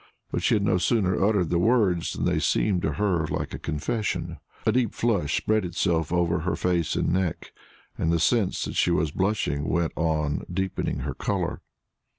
But she had no sooner uttered the words than they seemed to her like a confession. A deep flush spread itself over her face and neck, and the sense that she was blushing went on deepening her color.